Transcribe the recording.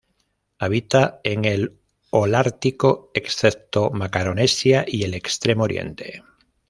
Habita en el holártico, excepto Macaronesia y el Extremo Oriente.